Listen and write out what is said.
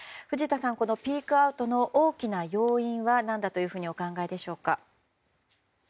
藤田さん、このピークアウトの大きな要因は何だとお考えでしょうか。